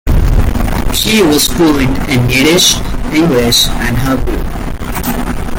She was fluent in Yiddish, English, and Hebrew.